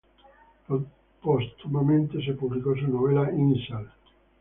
Póstumamente, se publicó su novela "Insel".